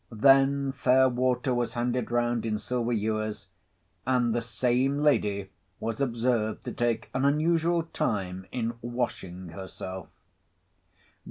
Then fair water was handed round in silver ewers, and the same lady was observed to take an unusual time in Washing herself.